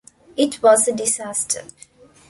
It was a disaster.